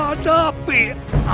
ada apa ya